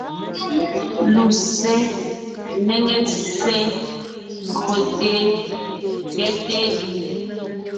Lussé, néŋe ssé, kÿote, kyɛ́te.